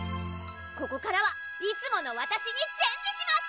ここからはいつものわたしにチェンジします！